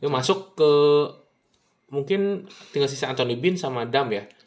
masuk ke mungkin tinggal sisa anthony bean sama adam ya